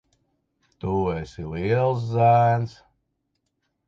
Tu esi liels zēns.